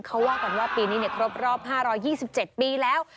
เขาว่ากันว่าปีนี้ครบรอบ๕๒๗ปีแล้ว